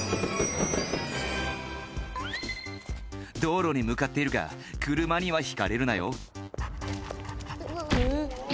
道路に向かっているが車にはひかれるなよ